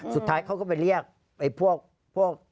สุดท้ายเขาก็ไปเรียกไอ้พวก